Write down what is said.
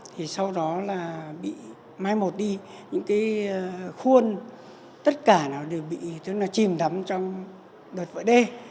thì sau đó là bị mai một đi những cái khuôn tất cả nó đều bị chìm đắm trong đợt vỡ đê